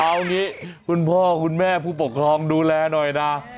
เอางี้คุณพ่อคุณแม่ผู้ปกครองดูแลหน่อยนะ